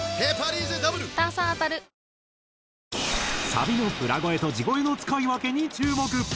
サビの裏声と地声の使い分けに注目。